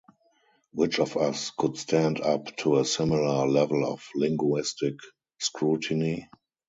Which of us could stand up to a similar level of linguistic scrutiny?